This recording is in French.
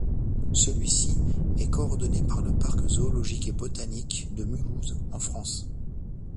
Celui-ci est coordonné par le Parc zoologique et botanique de Mulhouse, en France.